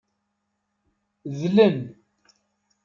Dlen.